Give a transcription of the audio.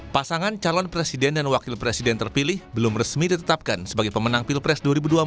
pasangan calon presiden dan wakil presiden terpilih belum resmi ditetapkan sebagai pemenang pilpres dua ribu dua puluh empat